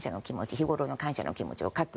日頃の感謝の気持ちを書く。